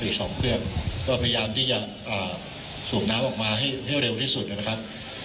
ก็พยายามที่จะสูบน้ำออกมาให้เร็วที่สุดนะครับ